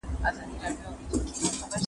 که نجونې نندارتون جوړ کړي نو هنر به نه وي پټ.